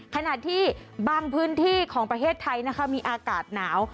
ขณะที่บางพื้นที่ของประเทศไทยนะคะมีอากาศหนาว